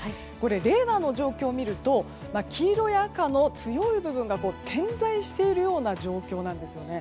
レーダーの状況を見ると黄色や赤の強い部分が点在しているような状況なんですね。